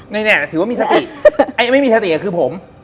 นี่ถือว่ามีสติไอ้ไม่มีสติก็คือผม